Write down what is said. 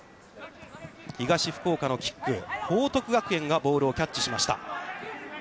東福岡のキック、報徳学園がボールをキャッチしました。